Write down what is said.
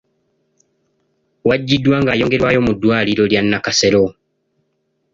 Waggyiddwa n’ayongerwayo mu ddwaliro lya Nakasero .